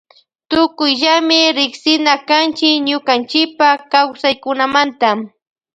Tukuyllami riksina kanchi ñukanchipa kawsaykunamanta.